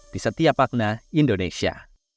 di setiap makna indonesia